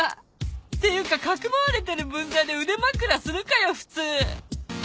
っていうか匿われてる分際で腕枕するかよ普通！